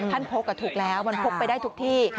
พกถูกแล้วมันพกไปได้ทุกที่